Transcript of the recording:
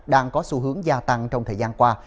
đang có xu hướng gia tăng trong thời gian qua